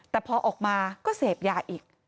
แต่พอออกมาก็เสพยาอีก